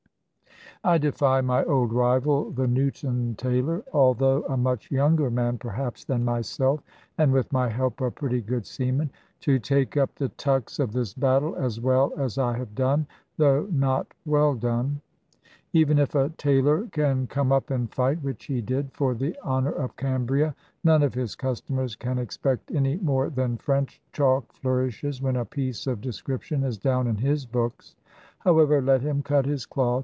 I defy my old rival, the Newton tailor (although a much younger man perhaps than myself, and with my help a pretty good seaman), to take up the tucks of this battle as well as I have done, though not well done. Even if a tailor can come up and fight (which he did, for the honour of Cambria), none of his customers can expect any more than French chalk flourishes when a piece of description is down in his books. However, let him cut his cloth.